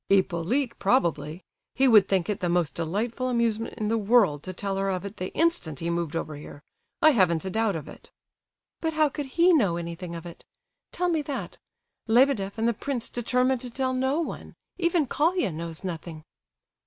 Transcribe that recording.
"Hippolyte, probably. He would think it the most delightful amusement in the world to tell her of it the instant he moved over here; I haven't a doubt of it." "But how could he know anything of it? Tell me that. Lebedeff and the prince determined to tell no one—even Colia knows nothing."